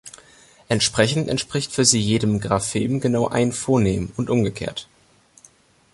Entsprechend entspricht für sie jedem Graphem genau ein Phonem und umgekehrt.